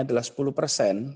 adalah sepuluh persen